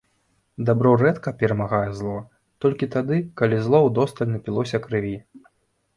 Дабро рэдка перамагае зло, толькі тады, калі зло ўдосталь напілося крыві.